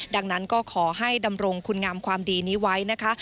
ดังนั้นก็ขอให้ดำรงคุณงามความดีนี้ไว้นะคะ